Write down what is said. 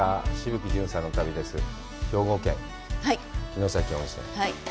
城崎温泉。